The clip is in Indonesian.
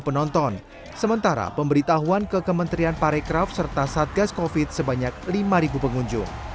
penonton sementara pemberitahuan ke kementerian parekraf serta satgas kofit sebanyak lima pengunjung